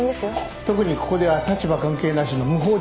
特にここでは立場関係なしの無法地帯。